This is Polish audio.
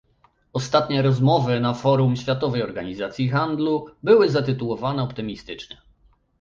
Ostatnie rozmowy na forum Światowej Organizacji Handlu były zatytułowane optymistycznie